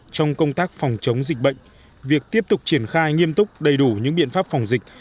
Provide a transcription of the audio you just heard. trong công tác phòng chống dịch bệnh việc tiếp tục triển khai nghiêm túc đầy đủ những biện pháp phòng dịch